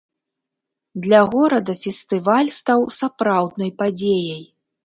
Для горада фестываль стаў сапраўднай падзеяй.